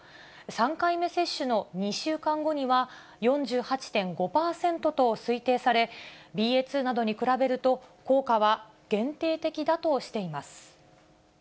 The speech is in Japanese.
３回目接種の２週間後には４８．５％と推定され、ＢＡ．５に比べると効果は限定的だとしています。